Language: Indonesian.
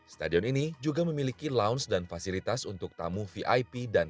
stadion ini juga memiliki lounge dan fasilitas untuk tamu vip dan